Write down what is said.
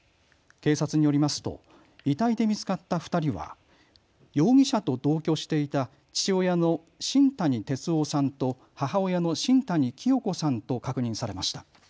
警察によりますと遺体で見つかった２人は容疑者と同居していた父親の新谷哲男さんと母親の新谷清子さんと確認されました。